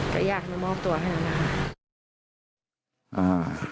ก็อยากมอบตัวให้หนูนะ